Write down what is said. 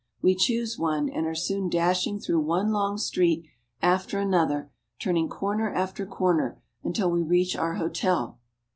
We choose one, and are soon dashing through one long street after another, turning corner after corner, until we reach our hotel.